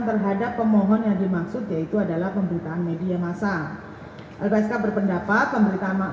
terhadap pemohon yang dimaksud yaitu adalah pemberitaan media masa lpsk berpendapat pemberitaan